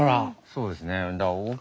そうですね。